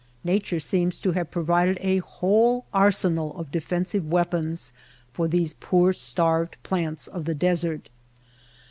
Nature seems to have provided a whole arsenal of defensive weapons for these poor starved plants of the desert.